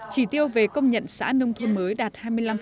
chỉ tiêu về công nhận xã nông thôn mới đạt hai mươi năm